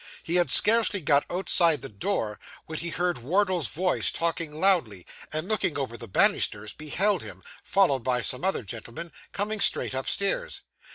He had scarcely got outside the door, when he heard Wardle's voice talking loudly, and looking over the banisters beheld him, followed by some other gentlemen, coming straight upstairs.